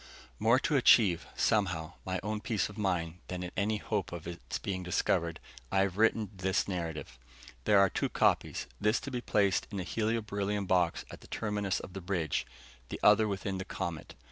More to achieve, somehow, my own peace of mind, than in any hope of its being discovered, I have written this narrative. There are two copies, this to be placed in a helio beryllium box at the terminus of the bridge, the other within the comet[TN 3].